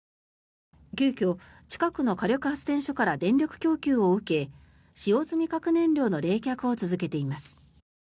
急きょ、近くの火力発電所から電力供給を受け使用済み核燃料の冷却を続けています。